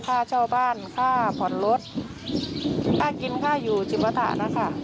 ค่าเช่าบ้านค่าผ่อนรถค่ากินค่าอยู่จิมปฐะนะคะ